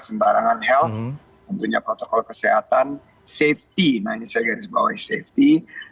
sembarangan health tentunya protokol kesehatan safety nah ini saya garis bawah safety